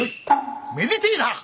めでてえな！